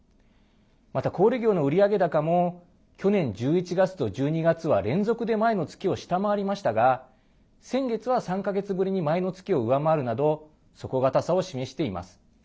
また、小売業の売上高も去年１１月と１２月は連続で前の月を下回りましたが先月は３か月ぶりに前の月を上回るなど底堅さを示しています。